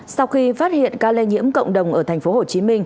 sau khi phát hiện ca lây nhiễm cộng đồng ở tp hcm